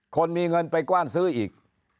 คนมีเงินไปกว้านซื้ออีก